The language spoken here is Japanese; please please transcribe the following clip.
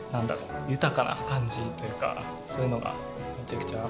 豊かな感じというかそういうのがめちゃくちゃ好きです。